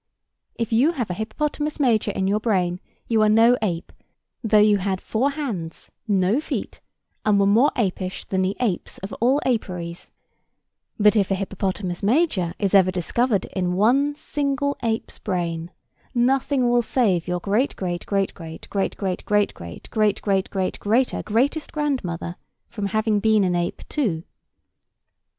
If you have a hippopotamus major in your brain, you are no ape, though you had four hands, no feet, and were more apish than the apes of all aperies. But if a hippopotamus major is ever discovered in one single ape's brain, nothing will save your great great great great great great great great great great great greater greatest grandmother from having been an ape too.